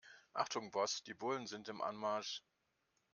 Achtung Boss, die Bullen sind im Anmarsch.